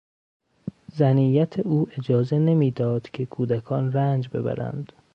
زنیت او اجازه نمیداد که کودکان رنج ببرند.